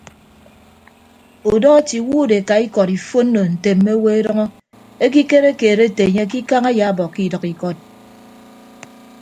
Udọ etiiwuud eka ikọd ifonno nte mme owo edʌñọ ekikere keed ete enye ke ikañ ayaabọkkọ idʌk ikọd.